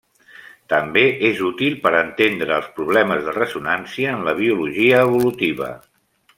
També és útil per entendre els problemes de ressonància en la biologia evolutiva.